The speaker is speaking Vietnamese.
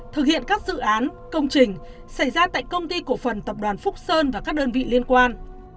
thực hiện các dự án công trình xảy ra tại công ty cổ phần tập đoàn phúc sơn và các đơn vị liên quan